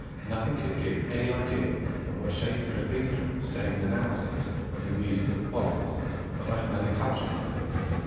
Nothing could give any idea of what Shakespeare has been through save an analysis of the music that follows, but I can only touch on that.